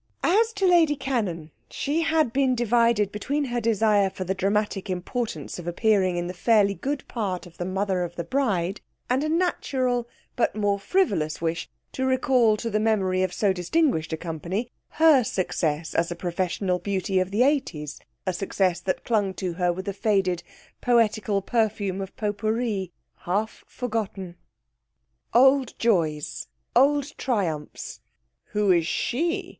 As to Lady Cannon, she had been divided between her desire for the dramatic importance of appearing in the fairly good part of the Mother of the Bride, and a natural, but more frivolous wish to recall to the memory of so distinguished a company her success as a professional beauty of the 'eighties, a success that clung to her with the faded poetical perfume of pot pourri, half forgotten. Old joys, old triumphs ('Who is she?'